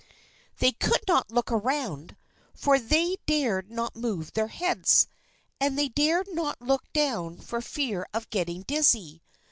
They could not look round, for they dared not move their heads, and they dared not look down for fear of getting dizzy.